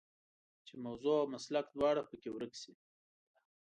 چې موضوع او مسلک دواړه په کې ورک شي.